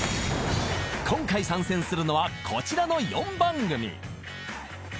［今回参戦するのはこちらの４番組］